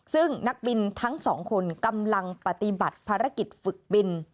ซึ่งนักบินทั้งสองคนกำลังปฏิบัติภารกิจฝึกบิน